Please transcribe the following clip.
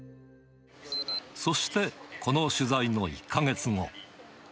そしてこの取材の１か月後。